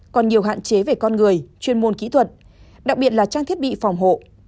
còn nhiều hạn chế về con người chuyên môn kỹ thuật đặc biệt là trang thiết bị phòng hộ